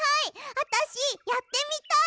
あたしやってみたい！